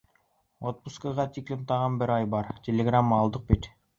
Отпускыға тиклем тағы бер ай бар, телеграмма алдыҡ бит.